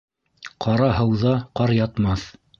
Ҡара һыуҙа ҡар ятмаҫ.